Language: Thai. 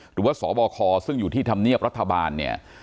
หรือว่าสบคซึ่งอยู่ที่ธรรมเนียบรัฐบาลเนี่ย